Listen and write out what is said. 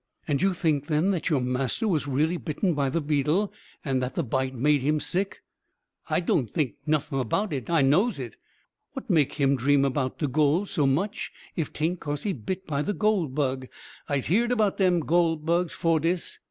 "And you think, then, that your master was really bitten by the beetle, and that the bite made him sick?" "I don't think noffin about it I nose it. What make him dream 'bout de goole so much, if 'taint cause he bit by the goole bug? Ise heered 'bout dem goole bugs 'fore dis."